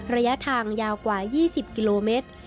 ระยะทางยาวกว่า๒๐กิโลเมตร